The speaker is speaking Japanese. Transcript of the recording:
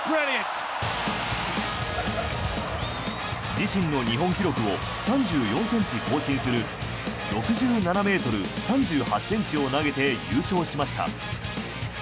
自身の日本記録を３４ｃｍ更新する６７ｍ３８ｃｍを投げて優勝しました。